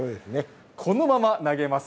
このまま投げます。